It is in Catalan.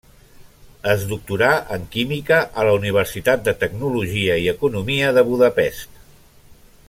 Es doctorà en química a la Universitat de Tecnologia i Economia de Budapest.